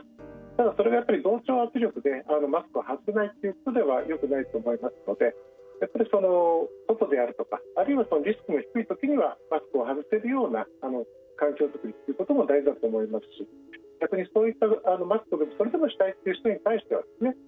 ただ、それがやっぱり同調圧力でマスクを外せないということではよくないと思いますのでやっぱり、外であるとかあるいはリスクが低い時にはマスクを外せるような環境作りということも大事だと思いますし逆にそういった、マスクをそれでもしたいという人に対してはですね